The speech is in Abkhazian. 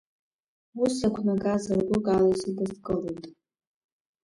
Ус иақәнагазар, гәык ала исыдыскылоит.